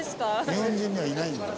日本人にはいないんだよ。